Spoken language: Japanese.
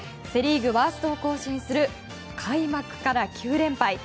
セ・リーグワーストを更新する開幕から９連敗。